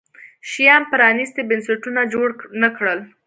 شیام پرانیستي بنسټونه جوړ نه کړل.